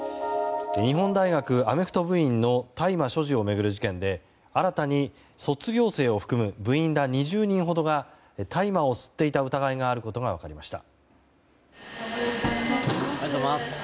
日本大学アメフト部員の大麻所持を巡る事件で新たに卒業生を含む部員ら２０人ほどが大麻を吸っていた疑いがあることが分かりました。